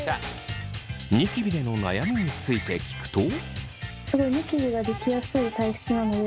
ニキビでの悩みについて聞くと。